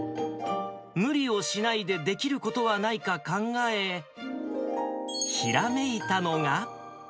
無理をしないでできることはないか考え、ひらめいたのが。